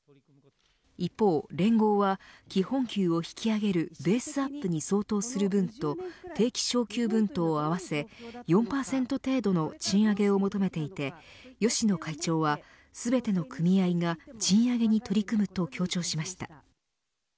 一方、連合は基本給を引き上げるベースアップに相当する分と定期昇給分とを合わせ４％程度の賃上げを求めていて芳野会長は全ての組合が賃上げに取り組むと強調しました。